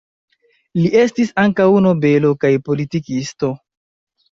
Li estis ankaŭ nobelo kaj politikisto.